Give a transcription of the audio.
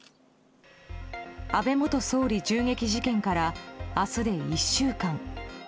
安倍元総理銃撃事件から明日で１週間。